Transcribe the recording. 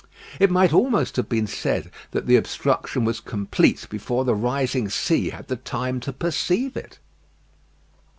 It might almost have been said that the obstruction was complete before the rising sea had the time to perceive it.